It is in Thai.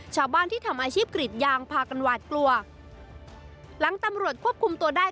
ชาวบ้านที่ทำอาชีพกรีดยางพากันหวาดกลัวหลังตำรวจควบคุมตัวได้